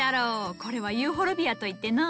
これはユーフォルビアといってのう。